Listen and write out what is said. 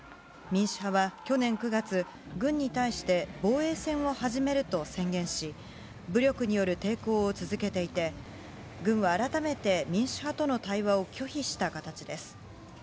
民主派は去年９月、軍に対して防衛戦を始めると宣言し武力による抵抗を続けていて軍は改めて民主派との対話を拒否した形です。